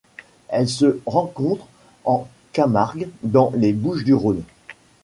Elle se rencontre en Camargue dans les Bouches-du-Rhône.